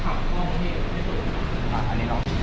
ขอให้แม่อโฮศิกรรมขึ้นกันแล้วกันด้วยนะ